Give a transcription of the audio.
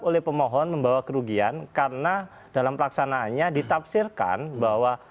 oleh pemohon membawa kerugian karena dalam pelaksanaannya ditafsirkan bahwa